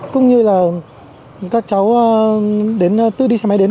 cũng như là các cháu đến tự đi xe máy đến